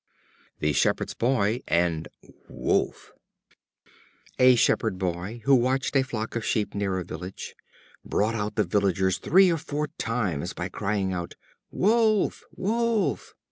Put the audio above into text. The Shepherd's Boy and Wolf. A Shepherd boy, who watched a flock of sheep near a village, brought out the villagers three or four times by crying out, "Wolf! Wolf!"